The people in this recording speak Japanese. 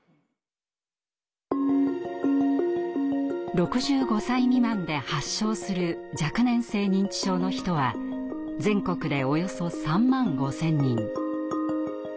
６５歳未満で発症する若年性認知症の人は全国でおよそ３万５０００人。